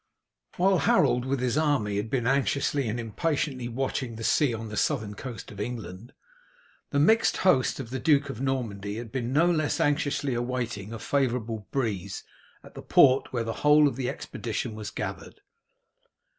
While Harold with his army had been anxiously and impatiently watching the sea on the southern coast of England, the mixed host of the Duke of Normandy had been no less anxiously awaiting a favourable breeze at the port where the whole of the expedition was gathered.